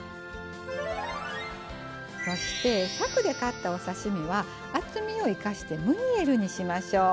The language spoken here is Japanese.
そしてさくで買ったお刺身は厚みを生かしてムニエルにしましょう。